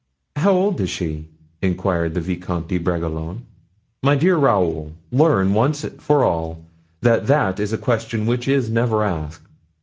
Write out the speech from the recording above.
"How old is she?" inquired the Vicomte de Bragelonne. "My dear Raoul, learn, once for all, that that is a question which is never asked.